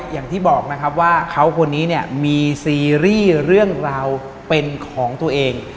อย่างที่บอกนะครับว่าเขาคนนี้เนี่ยมีซีรีส์เรื่องราวเป็นของตัวเอง